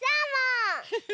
フフフフ。